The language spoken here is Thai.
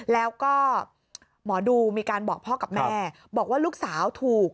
แล้วก็หมอดูมีการบอกพ่อกับแม่บอกว่าลูกสาวถูก